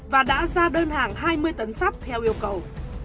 và đã ra đơn hàng hai mươi tấn sắt theo yêu cầu